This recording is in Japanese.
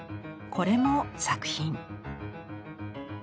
これも作品。